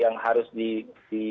yang akan dihadapi